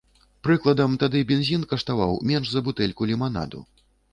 Прыкладам, тады бензін каштаваў менш за бутэльку ліманаду.